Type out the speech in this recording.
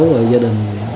rồi gia đình